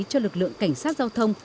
cho lực lượng cảnh sát giao thông